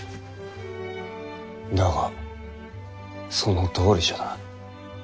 だがそのとおりじゃな。